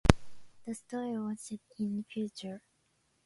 The story was set in the future.